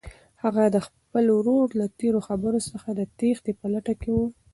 هغه د خپل ورور له تېرو خبرو څخه د تېښتې په لټه کې وه.